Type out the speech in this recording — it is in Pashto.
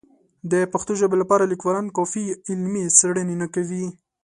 د پښتو ژبې لپاره لیکوالان کافي علمي څېړنې نه کوي.